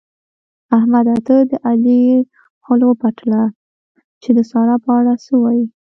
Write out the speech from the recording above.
احمده! ته د علي خوله وپلټه چې د سارا په اړه څه وايي؟